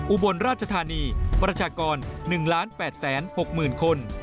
อุบลราชธานีประชากร๑๘๖๐๐๐คน